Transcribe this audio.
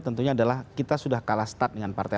tentunya adalah kita sudah kalah start dengan partai